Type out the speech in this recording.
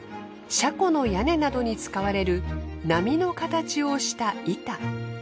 車庫の屋根などに使われる波の形をした板。